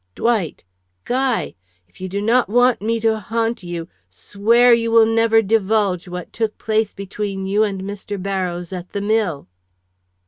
"Dwight! Guy! If you do not want me to haunt you, swear you will never divulge what took place between you and Mr. Barrows at the mill."